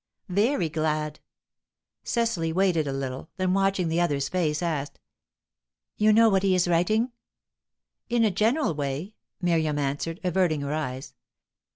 "Very glad." Cecily waited a little; then, watching the other's face, asked: "You know what he is writing?" "In a general way," Miriam answered, averting her eyes.